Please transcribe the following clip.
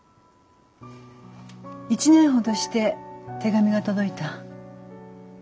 １年ほどして手紙が届いた。